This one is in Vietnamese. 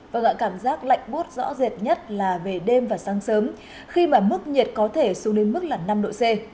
và gọi cảm giác lạnh bút rõ rệt nhất là về đêm và sáng sớm khi mà mức nhiệt có thể xuống đến mức là năm độ c